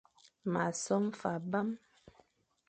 M a som fa abam,